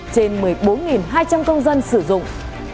trên một mươi bốn hai trăm linh công dân sử dụng